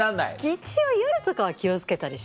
一応夜とかは気を付けたりします。